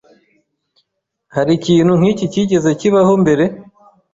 Hari ikintu nk'iki cyigeze kibaho mbere?